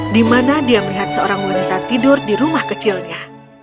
dimana dia melihat seorang wanita tidur di rumah kecilnya